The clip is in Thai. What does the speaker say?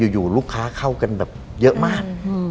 อยู่ลูกค้าเข้ากันแบบเยอะมาก